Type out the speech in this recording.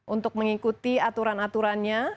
untuk mengikuti aturan aturannya